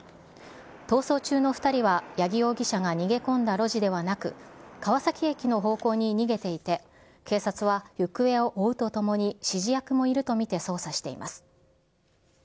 逃走中の２人は八木容疑者が逃げ込んだ路地ではなく、川崎駅の方向に逃げていて、警察は行方を追うとともに、指示役もいると見て捜査しています。